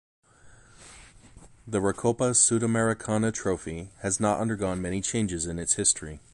The Recopa Sudamericana trophy has not undergone many changes in its history.